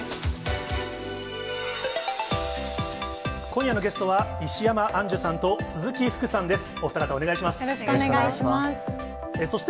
今夜のゲストは、石山アンジュさんと、鈴木福さんです。